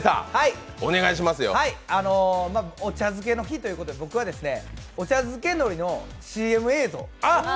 お茶漬けの日ということで、お茶づけ海苔のＣＭ映像。